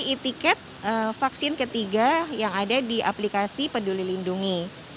beli tiket vaksin ketiga yang ada di aplikasi peduli lindungi